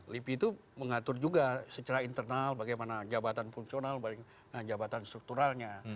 lipi itu mengatur juga secara internal bagaimana jabatan fungsional jabatan strukturalnya